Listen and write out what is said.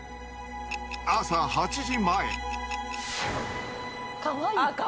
朝８時前。